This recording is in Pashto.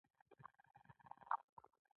ماشوم ویده شو.